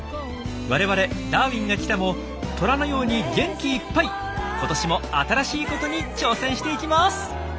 我々「ダーウィンが来た！」もトラのように元気いっぱい今年も新しいことに挑戦していきます。